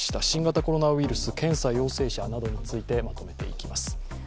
新型コロナウイルス検査陽性者などについてまとめていきます。